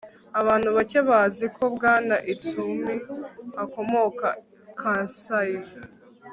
Abantu bake bazi ko Bwana Itsumi akomoka Kansai